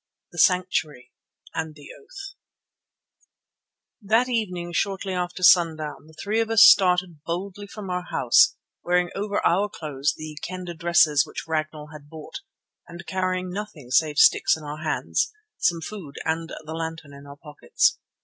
THE SANCTUARY AND THE OATH That evening shortly after sundown the three of us started boldly from our house wearing over our clothes the Kendah dresses which Ragnall had bought, and carrying nothing save sticks in our hands, some food and the lantern in our pockets.